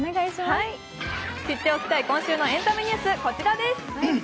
知っておきたい今週のエンタメニュース、こちらです。